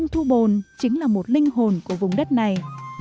thu bồn chính là một linh hồn của vùng đất này